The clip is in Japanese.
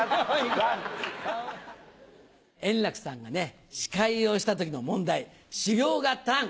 円楽さんがね、司会をしたときの問題、修行が足らん！